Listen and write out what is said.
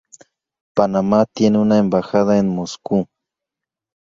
Panamá tiene una embajada en Moscú.